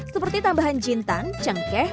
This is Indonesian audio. seperti tambahan jintang cengkeh